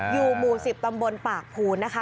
อยู่หมู่๑๐ตำบลปากภูนนะคะ